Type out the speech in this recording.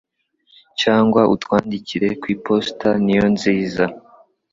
cyangwa utwandikire kw'iposta niyo nziza